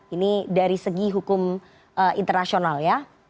ini dari segi hukum internasional ya